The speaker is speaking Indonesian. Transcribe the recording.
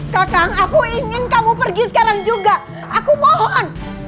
kakak aku ingin kamu pergi sekarang juga aku mohon